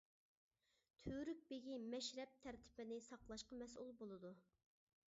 تۈۋرۈك بېگى مەشرەپ تەرتىپىنى ساقلاشقا مەسئۇل بولىدۇ.